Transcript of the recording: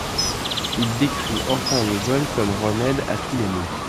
Il décrit enfin le vol comme remède à tous les maux.